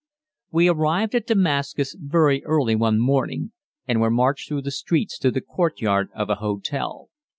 We arrived at Damascus very early one morning, and were marched through the streets to the courtyard of a hotel.